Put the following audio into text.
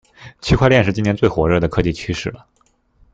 區塊鏈是今年最火熱的科技趨勢了